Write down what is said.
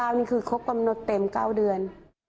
นี่คือครบกำหนดเต็ม๙เดือน